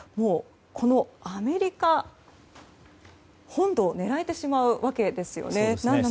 このアメリカ本土を狙えてしまうわけですよね。